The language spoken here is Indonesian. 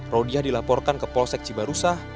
rodiah dilaporkan ke polsek cibarusah